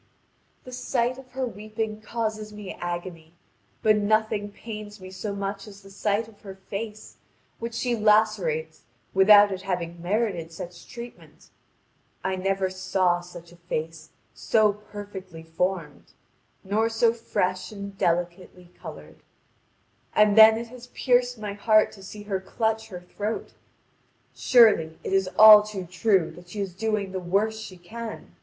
The sight of her weeping causes me agony, but nothing pains me so much as the sight of her face, which she lacerates without its having merited such treatment. I never saw such a face so perfectly formed, nor so fresh and delicately coloured. And then it has pierced my heart to see her clutch her throat. Surely, it is all too true that she is doing the worst she can.